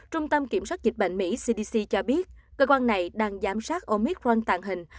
trung tâm kiểm soát dịch bệnh mỹ cho biết cơ quan này đang giám sát omicron tàng hình